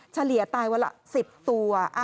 เฉลี่ยตายวันละ๑๐ตัว